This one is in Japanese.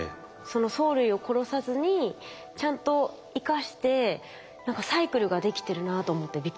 藻類を殺さずにちゃんと生かして何かサイクルができてるなあと思ってびっくりしました。